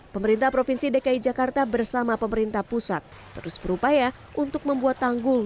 pemerintah provinsi dki jakarta bersama pemerintah pusat terus berupaya untuk membuat tanggul